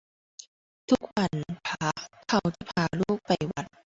ทุกวันพระเขาจะพาลูกไปวัด